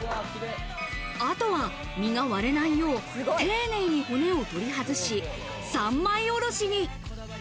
あとは身が割れないよう丁寧に骨を取り外し、３枚おろしに。